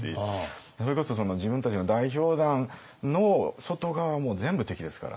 それこそ自分たちの代表団の外側はもう全部敵ですから。